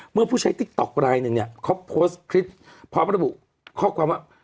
เมื่อผู้ใช้ติ๊กต๊อกลายหนึ่งเนี่ยเขาโพสต์คลิปพร้อมระบุข้อความว่า